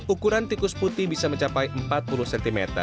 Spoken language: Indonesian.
ukuran tikus putih bisa mencapai empat puluh cm